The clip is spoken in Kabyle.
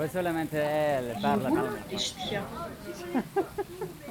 Yiwen ur d-icetka.